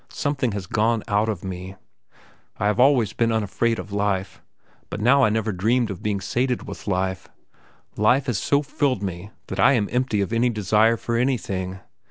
Something has gone out of me. I have always been unafraid of life, but I never dreamed of being sated with life. Life has so filled me that I am empty of any desire for anything.